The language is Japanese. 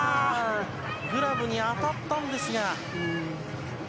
グラブに当たったんですが。